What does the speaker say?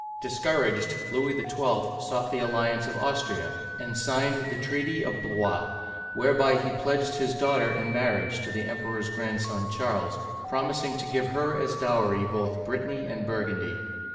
Discouraged, Louis XII. sought the alliance of Austria, and signed the treaty of Blois (blwa), whereby he pledged his daughter in marriage to the Emperor's grandson Charles, promising to give her as dowry both Brittany and Burgundy.